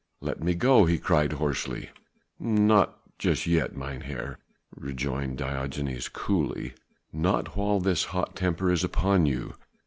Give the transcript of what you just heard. "Let me go!" he cried hoarsely. "Not just yet, mynheer," rejoined Diogenes coolly, "not while this hot temper is upon you.